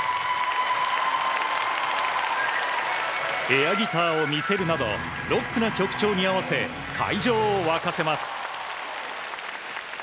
エアギターを見せるなどロックな曲調に合わせ会場を沸かせます。